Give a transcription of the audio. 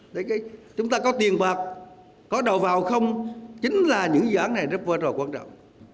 để chúng ta có tiền bạc có đầu vào không chính là những dự án này rất vô trò quan trọng